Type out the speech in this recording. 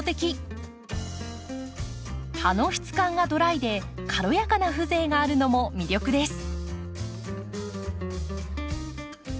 葉の質感がドライで軽やかな風情があるのも魅力です。